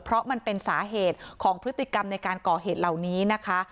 เพราะมันเป็นสาเหตุของพฤติกรรมในการก่อเหตุเหล่านี้นะคะ